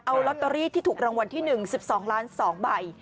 เอาลอตเตอรี่ที่ถูกรางวัลที่๑๑๒ล้าน๒ใบ